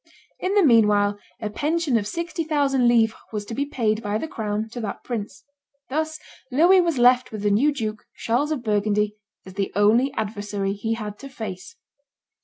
In the meanwhile a pension of sixty thousand livres was to be paid by the crown to that prince. Thus Louis was left with the new duke, Charles of Burgundy, as the only adversary he had to face.